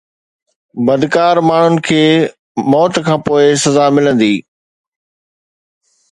بدڪار ماڻهن کي موت کان پوءِ سزا ملندي